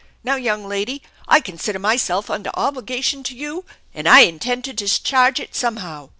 Now, young lady, I consider myself under obligation to you, and I intend to discharge it somehow.